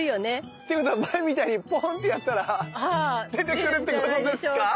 っていうことは前みたいにポンってやったら出てくるってことですか？